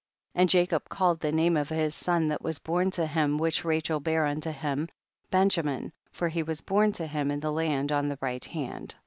12. And Jacob called the name of his son that was born to him, which Rachel bare unto him, Benjamin, for he was born to him in the land on the right hand.